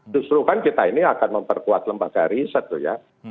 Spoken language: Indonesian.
justru kan kita ini akan memperkuat lembaga riset tuh ya